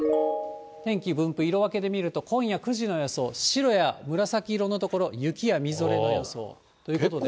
天気分布、色分けで見ると、今夜９時の予想、白や紫色の所、雪やみぞれの予想ということで。